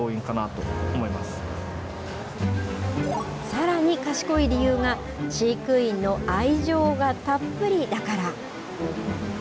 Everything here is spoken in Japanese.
さらに賢い理由が、飼育員の愛情がたっぷりだから。